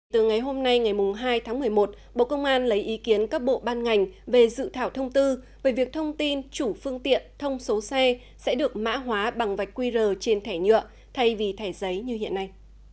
từ ngày hôm nay ngày hai tháng một mươi một bộ công an lấy ý kiến các bộ ban ngành về dự thảo thông tư về việc thông tin chủ phương tiện thông số xe sẽ được mã hóa bằng vạch qr trên thẻ nhựa thay vì thẻ giấy như hiện nay